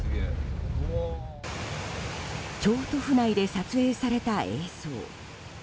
京都府内で撮影された映像。